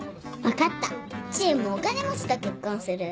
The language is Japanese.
分かった知恵もお金持ちと結婚する。